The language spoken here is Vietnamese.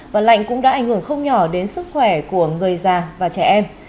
và lạnh cũng đã ảnh hưởng không nhỏ đến sức khỏe của người già và trẻ em